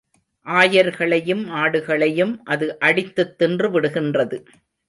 ஆயர்களையும் ஆடுகளையும் அது அடித்துத் தின்றுவிடுகின்றது.